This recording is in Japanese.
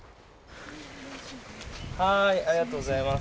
はーいありがとうございます。